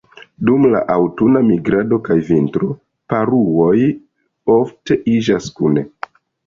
Dum la aŭtuna migrado kaj vintro, paruoj ofte ariĝas kune.